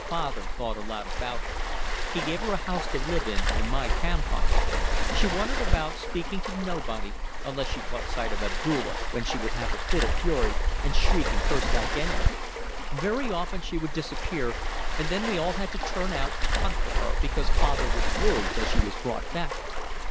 Father thought a lot of her. He gave her a house to live in, in my campong. She wandered about, speaking to nobody unless she caught sight of Abdulla, when she would have a fit of fury, and shriek and curse like anything. Very often she would disappear and then we all had to turn out and hunt for her, because father would worry till she was brought back.